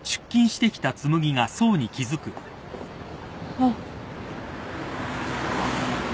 あっ。